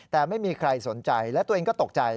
แต่ไม่มีใครสนใจและตัวเองก็ตกใจ